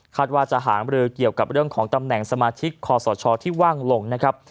ว่าจะหามรือเกี่ยวกับเรื่องของตำแหน่งสมาชิกคอสชที่ว่างลงนะครับ